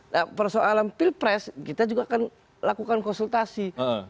nah persoalan pilpres kita juga akan lakukan konsultasi